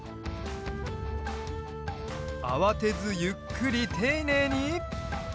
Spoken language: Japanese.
あわてずゆっくりていねいに。